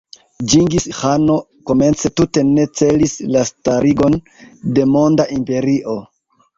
Ĝingis-ĥano komence tute ne celis la starigon de monda imperio.